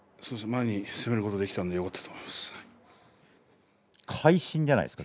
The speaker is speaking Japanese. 前に攻めることができたのがよかったです。